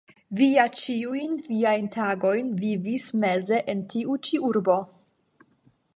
Vi ja ĉiujn viajn tagojn vivis meze en tiu ĉi urbo.